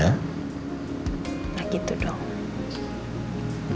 nah gitu dong